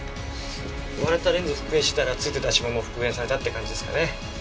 割れたレンズ復元してたら付いてた指紋も復元されたって感じですかね。